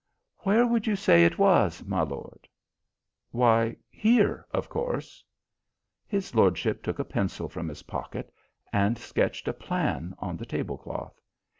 "Where would you say it was, my lord?" "Why, here, of course." His lordship took a pencil from his pocket and sketched a plan on the tablecloth.